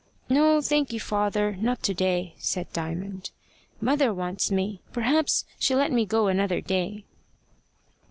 "No thank you, father; not to day," said Diamond. "Mother wants me. Perhaps she'll let me go another day."